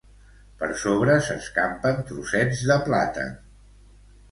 Per sobre s'escampen trossets de plàtan.